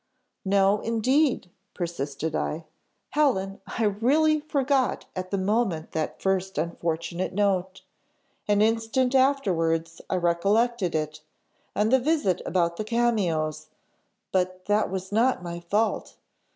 "'No indeed!' persisted I. 'Helen! I really forgot at the moment that first unfortunate note. An instant afterwards I recollected it, and the visit about the cameos, but that was not my fault.